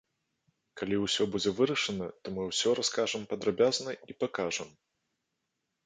Калі ўсё будзе вырашана, то мы ўсё раскажам падрабязна і пакажам.